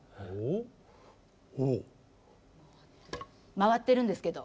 回ってるんですけど。